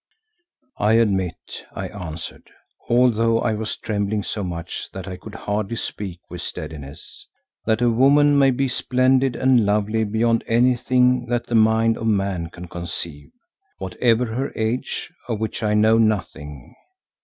"I admit," I answered, although I was trembling so much that I could hardly speak with steadiness, "that a woman may be splendid and lovely beyond anything that the mind of man can conceive, whatever her age, of which I know nothing.